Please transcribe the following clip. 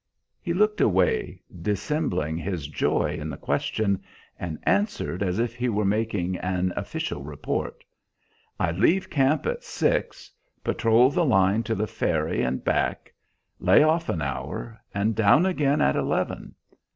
He looked away, dissembling his joy in the question, and answered as if he were making an official report, "I leave camp at six, patrol the line to the ferry and back, lay off an hour, and down again at eleven.